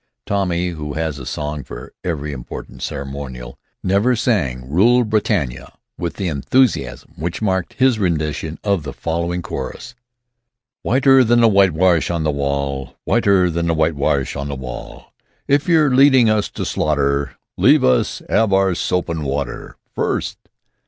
Tommy, who has a song for every important ceremonial, never sang, "Rule Britannia" with the enthusiasm which marked his rendition of the following chorus: "Whi ter than the whitewash on the wall! Whi ter than the whitewash on the wall! If yer leadin' us to slaughter Let us 'ave our soap an' water FIRST!